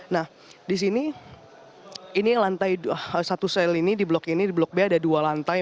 nah di sini ini lantai satu sel ini di blok ini di blok b ada dua lantai